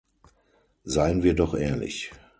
Seien wir doch ehrlich.